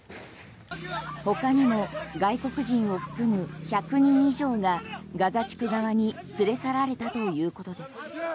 ほかにも外国人を含む１００人以上がガザ地区側に連れ去られたということです。